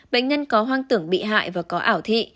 bệnh nhân có hoang tưởng bị hại và có ảo thị